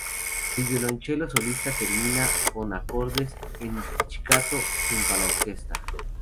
El violonchelo solista termina con acordes en "pizzicato" junto a la orquesta.